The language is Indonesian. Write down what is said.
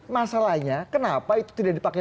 masalahnya kenapa itu tidak dipakai